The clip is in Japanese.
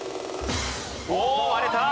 おお割れた！